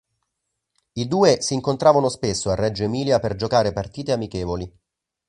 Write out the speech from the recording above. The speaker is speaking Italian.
I due si incontravano spesso a Reggio Emilia per giocare partite amichevoli.